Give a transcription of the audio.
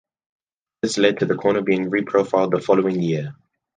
This led to the corner being reprofiled the following year.